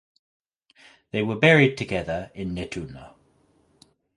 They were buried together in Nettuno.